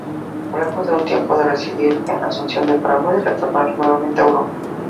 Luego de un tiempo de residir en Asunción del Paraguay retornaron nuevamente a Europa.